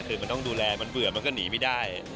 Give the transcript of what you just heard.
คือมันต้องดูแลมันเบื่อมันก็หนีไม่ได้